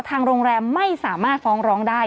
ทางโรงแรมไม่สามารถฟ้องร้องได้